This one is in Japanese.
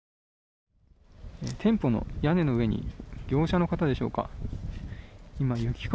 店舗の屋根の上に業者の方でしょうか。